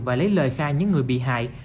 và lấy lời khai những người bị hại